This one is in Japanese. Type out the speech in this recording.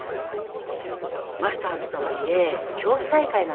「マスターズとはいえ競技大会なんだから」。